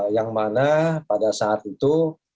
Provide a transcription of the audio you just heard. yang mana pada saat itu